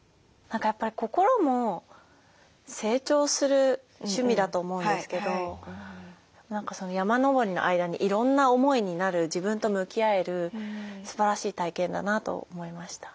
何かやっぱり心も成長する趣味だと思うんですけど何か山登りの間にいろんな思いになる自分と向き合えるすばらしい体験だなと思いました。